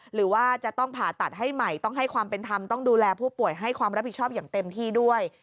หรือว่าจะต้องผ่าตัดให้ใหม่ต้องให้ความเป็นธรรมต้องดูแลผู้ป่วยให้ความรับผิดชอบอย่างเต็มที่ด้วย